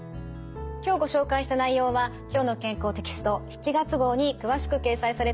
今日ご紹介した内容は「きょうの健康」テキスト７月号に詳しく掲載されています。